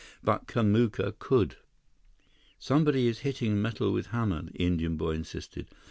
But Kamuka could. "Somebody is hitting metal with hammer," the Indian boy insisted.